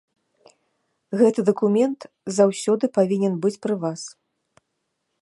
Гэты дакумент заўсёды павінен быць пры вас.